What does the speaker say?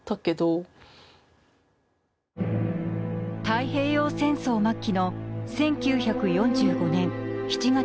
太平洋戦争末期の１９４５年７月１４日。